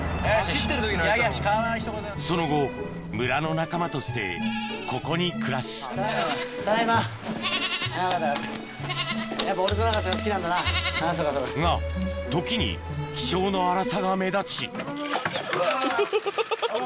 その後村の仲間としてここに暮らしただいま。が時に気性の荒さが目立ちうわ！